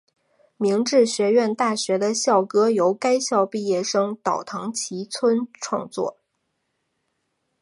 明治学院大学的校歌由该校毕业生岛崎藤村创作。